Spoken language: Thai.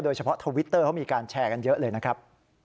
ทวิตเตอร์เขามีการแชร์กันเยอะเลยนะครับ